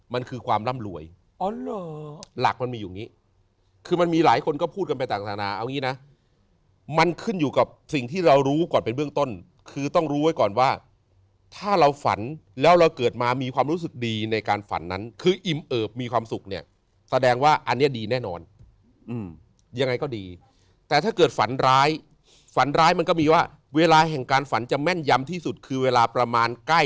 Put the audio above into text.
มันคือความร่ำรวยหลักมันมีอยู่อย่างนี้คือมันมีหลายคนก็พูดกันไปจากศาลาเอาอย่างนี้นะมันขึ้นอยู่กับสิ่งที่เรารู้ก่อนเป็นเบื้องต้นคือต้องรู้ไว้ก่อนว่าถ้าเราฝันแล้วเราเกิดมามีความรู้สึกดีในการฝันนั้นคืออิ่มเอิบมีความสุขเนี่ยแสดงว่าอันเนี่ยดีแน่นอนยังไงก็ดีแต่ถ้าเกิดฝั